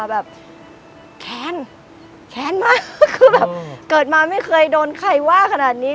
แบบแค้นแค้นมากคือแบบเกิดมาไม่เคยโดนใครว่าขนาดนี้